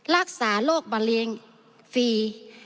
รักษาโรคบรรเวลาฟรี